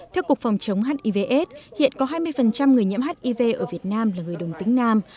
theo cục phòng chống hiv aids hiện có hai mươi người nhiễm hiv ở việt nam là người đồng tính nam